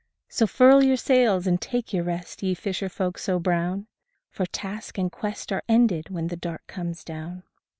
So furl your sails and take your rest, ye fisher folk so brown, For task and quest are ended when the dark comes down.